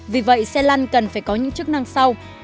vì vậy xe lăn cần phải có những chức năng sau